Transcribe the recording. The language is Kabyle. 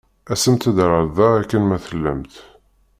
Asemt-d ɣer da akken ma tellamt.